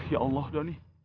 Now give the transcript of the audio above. ya allah doni